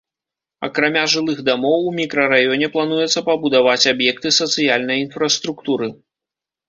Акрамя жылых дамоў, у мікрараёне плануецца пабудаваць аб'екты сацыяльнай інфраструктуры.